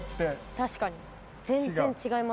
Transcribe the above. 確かに。